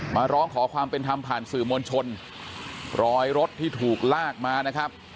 มาร้องขอความเป็นธรรมผ่านสื่อมวลชนรอยรถที่ถูกลากมานะครับ